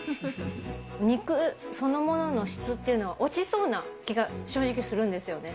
肉そのものの質っていうのは落ちそうな気が、正直するんですよね。